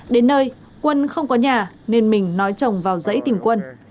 đến nơi quân không có nhà nên mình nói chồng vào dãy tìm quân